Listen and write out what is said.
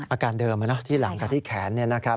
อาการเดิมที่หลังกับที่แขนเนี่ยนะครับ